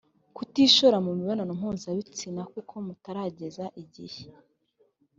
kutishora mu mibonano mpuzabitsina kuko mutarageza igihe